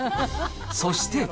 そして。